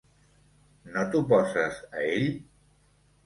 No t'oposes a ell?